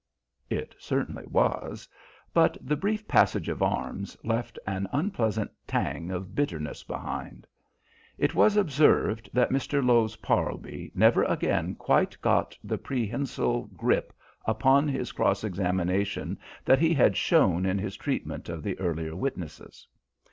It certainly was, but the brief passage of arms left an unpleasant tang of bitterness behind. It was observed that Mr. Lowes Parlby never again quite got the prehensile grip upon his cross examination that he had shown in his treatment of the earlier witnesses.